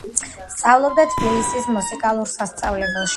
სწავლობდა თბილისის პირველ მუსიკალურ სასწავლებელში.